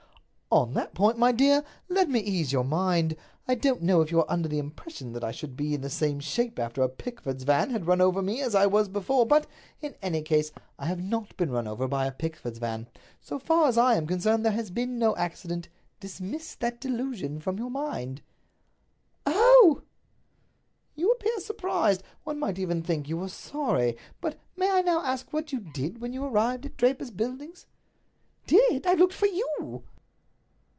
"On that point, my dear, let me ease your mind. I don't know if you are under the impression that I should be the same shape after a Pickford's van had run over me as I was before; but, in any case, I have not been run over by a Pickford's van. So far as I am concerned there has been no accident. Dismiss that delusion from your mind." "Oh!" "You appear surprised. One might even think that you were sorry. But may I now ask what you did when you arrived at Draper's Buildings?" "Did! I looked for you!"